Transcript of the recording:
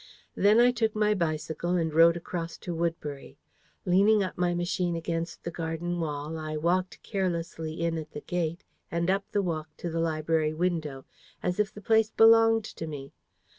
Then I took my bicycle, and rode across to Woodbury. Leaning up my machine against the garden wall, I walked carelessly in at the gate, and up the walk to the library window, as if the place belonged to me.